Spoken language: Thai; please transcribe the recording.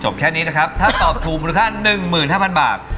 แค่นี้นะครับถ้าตอบถูกมูลค่า๑๕๐๐บาท